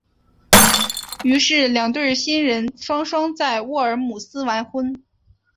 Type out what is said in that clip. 于是两对新人双双在沃尔姆斯完婚。